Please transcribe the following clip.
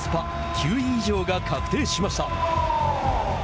９位以上が確定しました。